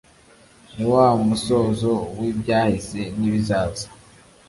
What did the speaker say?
niwa umusozo w'ibyahise nibizaza